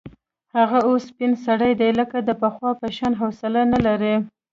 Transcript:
هغه اوس سپین سرې ده، لکه د پخوا په شان حوصله نه لري.